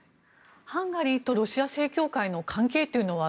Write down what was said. ハンガリーとロシア正教会の関係というのは